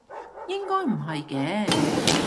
應該唔係嘅